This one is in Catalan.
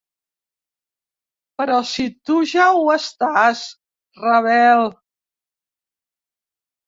Però si tu ja ho estàs, Ravel!